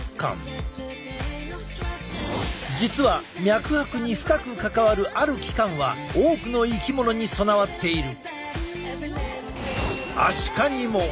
実は脈拍に深く関わるある器官は多くの生き物に備わっている。